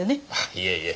いえいえ。